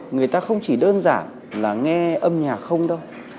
người ta không chỉ đơn giản là nghe âm nhạc không đâu